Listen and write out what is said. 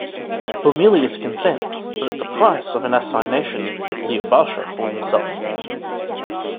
Bomelius consents, but at the price of an assignation with Lyubasha for himself.